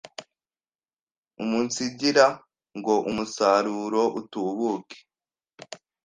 Umunsigira ngo umusaruro utubuke,